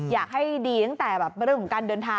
อยากให้ดีตั้งแต่เรื่องของการเดินทาง